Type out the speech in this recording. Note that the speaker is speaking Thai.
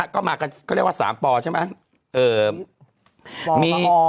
ก็มากันก็เรียกว่า๓ปอใช่ไหม